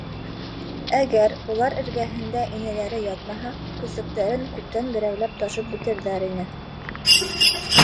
Әгәр улар эргәһендә инәләре ятмаһа, көсөктәрен күптән берәмләп ташып бөтөрҙәр ине.